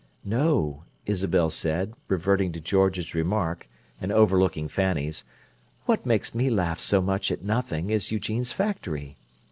"No," Isabel said, reverting to George's remark, and overlooking Fanny's. "What makes me laugh so much at nothing is Eugene's factory.